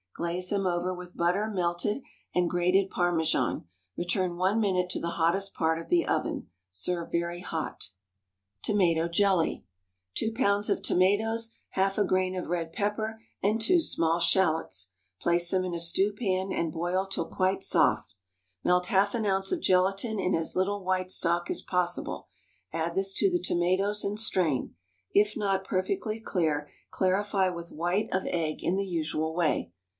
Glaze them over with butter melted and grated Parmesan; return one minute to the hottest part of the oven. Serve very hot. Tomato Jelly. Two pounds of tomatoes, half a grain of red pepper, and two small shallots. Place them in a stewpan and boil till quite soft. Melt half an ounce of gelatine in as little white stock as possible; add this to the tomatoes, and strain; if not perfectly clear, clarify with white of egg in the usual way.